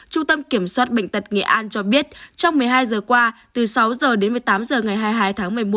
trung tâm kiểm soát bệnh tật nghệ an cho biết trong một mươi hai giờ qua từ sáu h đến một mươi tám h ngày hai mươi hai tháng một mươi một